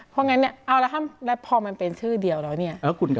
เพราะงั้นเอาแล้วพอมันเป็นชื่อเดียวแล้วเนี่ย